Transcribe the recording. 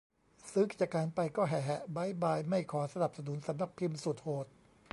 ซื้อกิจการไปก็ แหะ แหะ บ๊ายบาย ไม่ขอสนับสนุนสำนักพิมพ์สุดโหด